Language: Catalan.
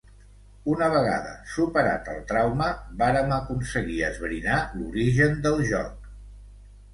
Una vegada superat el trauma, vàrem aconseguir esbrinar l'origen del joc.